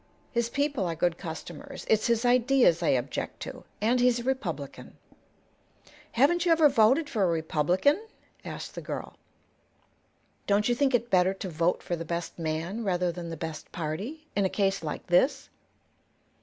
His people are good customers. It's his ideas I object to, and he's a Republican." "Haven't you ever voted for a Republican?" asked the girl. "Don't you think it better to vote for the best man, rather than the best party, in a case like this?"